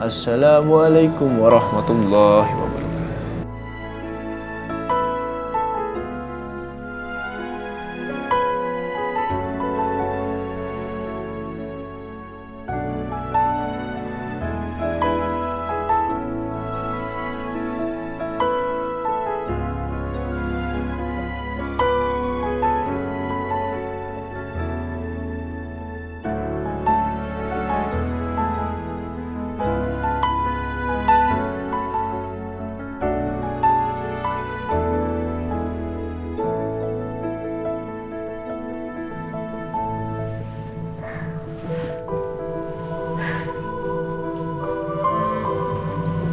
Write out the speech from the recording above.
assalamualaikum warahmatullahi wabarakatuh